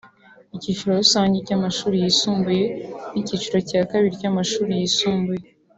icyiciro rusange cy’amashuri yisumbuye n’icyiciro cya kabiri cy’amashuri yisumbuye